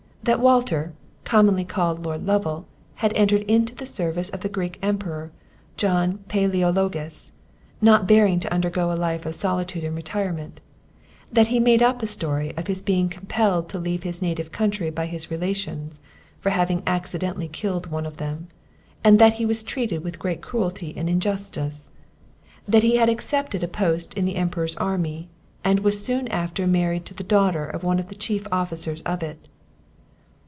That Walter, commonly called Lord Lovel, had entered into the service of the Greek emperor, John Paleologus, not bearing to undergo a life of solitude and retirement; that he made up a story of his being compelled to leave his native country by his relations, for having accidentally killed one of them, and that he was treated with great cruelty and injustice; that he had accepted a post in the emperor's army, and was soon after married to the daughter of one of the chief officers of it.